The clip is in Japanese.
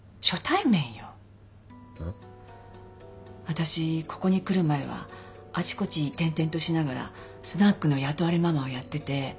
私ここに来る前はあちこち転々としながらスナックの雇われママをやってて。